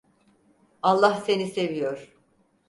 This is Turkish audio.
Allah seni seviyor.